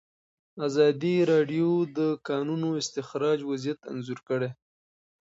ازادي راډیو د د کانونو استخراج وضعیت انځور کړی.